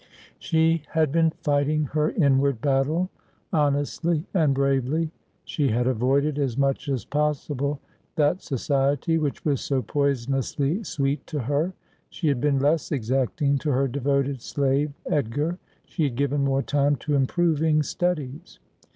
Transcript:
She had been fighting her inward battle honestly and bravely. She had avoided as much as possible that society which was so poisonously sweet to her. She had been less exacting to her devoted slave, Edgar. She had given more time to improving studies.